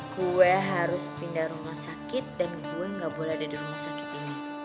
gue harus pindah rumah sakit dan gue gak boleh ada di rumah sakit ini